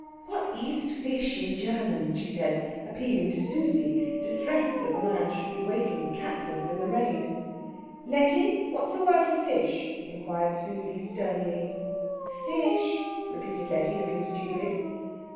"What is fish in German?" she said, appealing to Susie, distressed that the man should be waiting capless in the rain. "Letty, what's the word for fish?" inquired Susie sternly. "Fish?" repeated Letty, looking stupid.